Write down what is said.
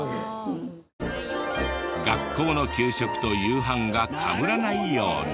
学校の給食と夕飯がかぶらないように。